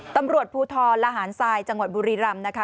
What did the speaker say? ตำรวจภูทรละหารทรายจังหวัดบุรีรำนะคะ